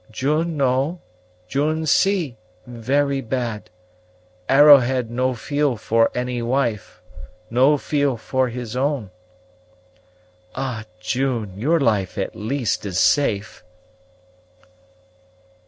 "June know, June see; very bad, Arrowhead no feel for any wife; no feel for his own." "Ah, June, your life, at least, is safe!"